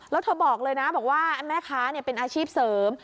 แล้วเธอบอกเลยนะบอกว่าแม่ค้าเป็นอาชีพเสริม